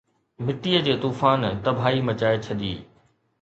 مٽيءَ جي طوفان تباهي مچائي ڇڏي